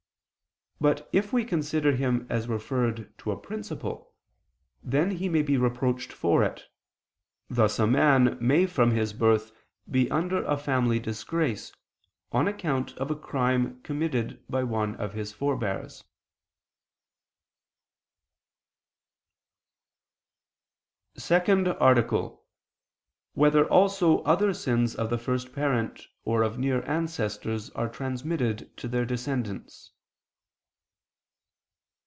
But it we consider him as referred to a principle, then he may be reproached for it: thus a man may from his birth be under a family disgrace, on account of a crime committed by one of his forbears. ________________________ SECOND ARTICLE [I II, Q. 81, Art. 2] Whether Also Other Sins of the First Parent or of Nearer Ancestors Are Transmitted to Their Descendants?